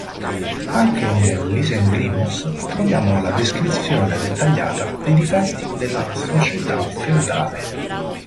Anche nell'Ysengrimus troviamo la descrizione dettagliata dei difetti della società feudale.